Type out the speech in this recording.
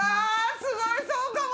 すごいそうかも。